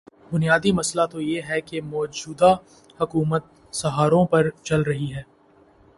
بنیادی مسئلہ تو یہ ہے کہ موجودہ حکومت سہاروں پہ چل رہی ہے۔